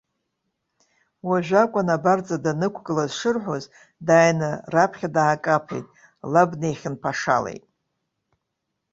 Уажә акәын абарҵа данықәгылаз шырҳәоз дааины раԥхьа даакаԥеит, лаб днаихьынԥашалеит.